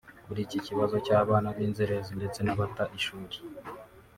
Kuri iki kibazo cy’abana b’inzerere ndetse n’abata ishuri